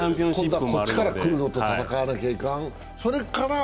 今度はこっちから来るのと戦わなきゃいかん。